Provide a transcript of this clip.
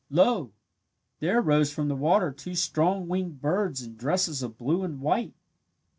Lo! there rose from the water two strong winged birds in dresses of blue and white.